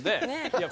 いや。